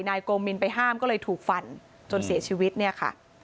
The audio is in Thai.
โกมินไปห้ามก็เลยถูกฟันจนเสียชีวิตเนี่ยค่ะ